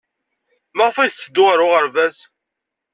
Maɣef ay tetteddu ɣer uɣerbaz?